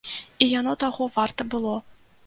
І яно таго варта было.